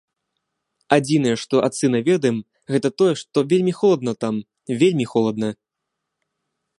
Адзінае, што ад сына ведаем, гэта тое, што вельмі холадна там, вельмі холадна.